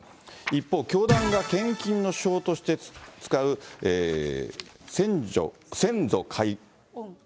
一方、教団が献金の手法として使う先祖解怨。